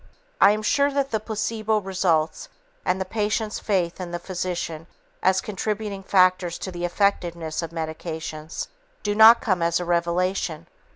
I am sure that the placebo results and the patient's faith in the physician as contributing factors to the effectiveness of medications do not come as a revelation.